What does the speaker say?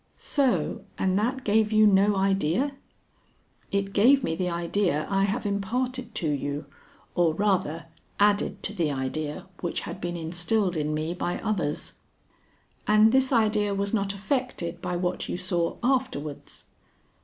'" "So, and that gave you no idea?" "It gave me the idea I have imparted to you, or, rather, added to the idea which had been instilled in me by others." "And this idea was not affected by what you saw afterwards?"